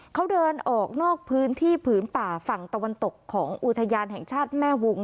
เขาเดินออกนอกพื้นที่ผืนป่าฝั่งตะวันตกของอุทยานแห่งชาติแม่วง